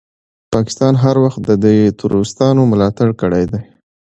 پاکستان هر وخت دي تروريستانو ملاتړ کړی ده.